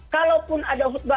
kalaupun ada khutbah